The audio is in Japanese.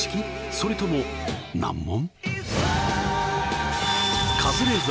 それとも難問？